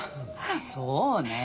そうねえ。